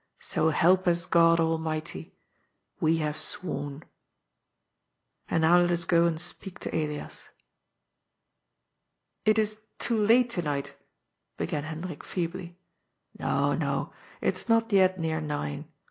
So help us God Almighty. We have sworn. And now let us go and speak to Elias." " It is too late to night," began Hendrik feebly. " No, no, it is not yet near nine.